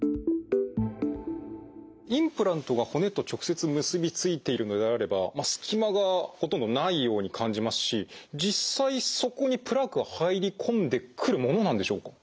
インプラントが骨と直接結び付いているのであればすき間がほとんどないように感じますし実際そこにプラークは入り込んでくるものなんでしょうか？